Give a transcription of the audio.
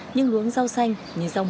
những luống rau xanh như rau mùi